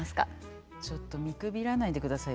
ちょっと見くびらないでください